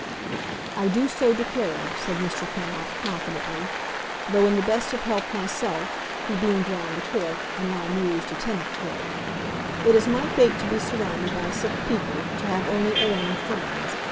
"I do so declare," said Mr. Cannot confidently. "Though in the best of health myself,"—he beamed round the court, a now amused, attentive court—"it is my fate to be surrounded by sick people, to have only ailing friends.